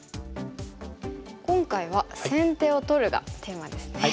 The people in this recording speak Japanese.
今回は「先手を取る」がテーマですね。